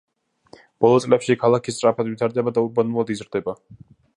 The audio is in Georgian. ბოლო წლებში, ქალაქი სწრაფად ვითარდება და ურბანულად იზრდება.